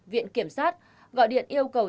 viện kiểm sát gọi điện yêu cầu